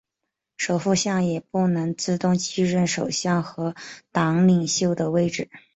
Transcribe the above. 副首相也不能自动继任首相和党领袖的位置。